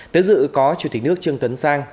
tế dự có chủ tịch nước trương tấn sang